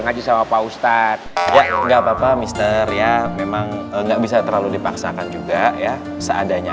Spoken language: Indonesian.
ngaji sama pak ustadz enggak papa mister ya memang enggak bisa terlalu dipaksakan juga ya seadanya